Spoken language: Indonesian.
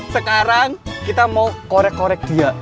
sekarang kita mau korek korek dia